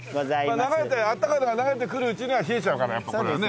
あったかいのが流れてくるうちには冷えちゃうからやっぱこれはね。